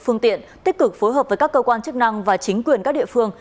phương tiện tích cực phối hợp với các cơ quan chức năng và chính quyền các địa phương